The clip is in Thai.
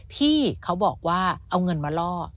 ที่เขาบอกว่าเอาเงินมาล่อ